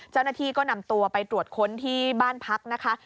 เจ้าหน้าที่ก็นำตัวไปตรวจค้นที่บ้านพักนะคะ